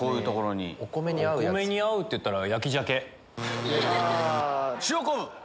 お米に合うっていったら。